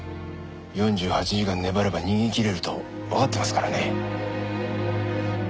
４８時間粘れば逃げ切れるとわかってますからね。